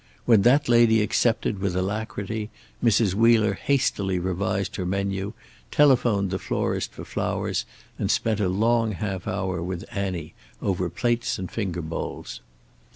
When that lady accepted with alacrity Mrs. Wheeler hastily revised her menu, telephoned the florist for flowers, and spent a long half hour with Annie over plates and finger bowls.